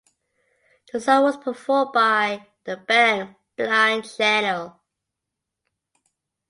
The song was performed by the band Blind Channel.